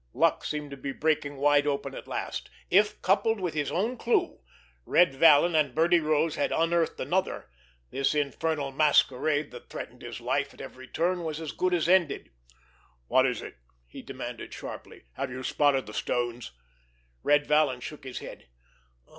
Luck seemed to be breaking wide open at last. If, coupled with his own clue, Red Vallon and Birdie Rose had unearthed another, this infernal masquerade that threatened his life at every turn was as good as ended. "What is it?" he demanded sharply. "Have you spotted the stones?" Red Vallon shook his head.